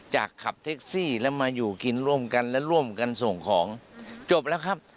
ขับแท็กซี่แล้วมาอยู่กินร่วมกันและร่วมกันส่งของจบแล้วครับ